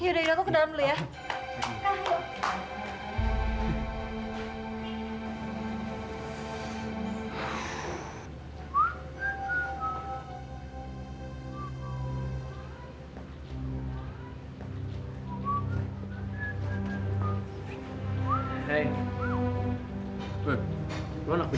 ini aku kak ini aku